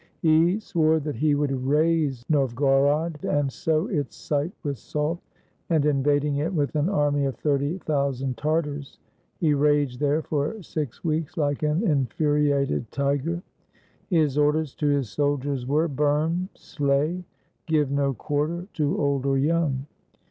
He swore that he would raze Novgorod, and sow its site with salt; and, invading it with an army of thirty thousand Tartars, he raged there for six weeks like an in furiated tiger. His orders to his soldiers were, "Burn, slay, give no quarter to old or young!"